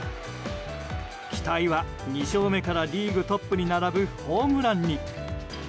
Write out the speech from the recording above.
期待は２勝目からリーグトップに並ぶホームランに。